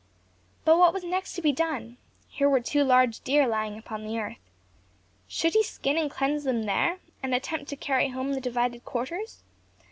But what was next to be done? Here were two large deer lying upon the earth. Should he skin and cleanse them there, and attempt to carry home the divided quarters?